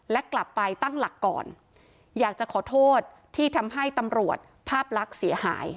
และกลับไปตั้งหลักก่อนอยากจะขอโทษที่ทำให้ตำรวจภาพลักษณ์เสียหาย